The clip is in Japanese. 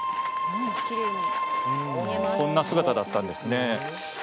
こんな姿だったんですね。